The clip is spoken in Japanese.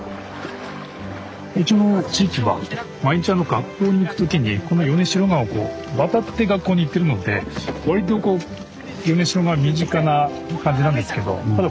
うちの地域は毎日学校に行く時にこの米代川を渡って学校に行ってるので割とこう米代川身近な感じなんですけどただこういった遊んだことはなかったので